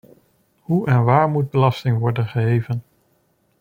Hoe en waar moet belasting worden geheven?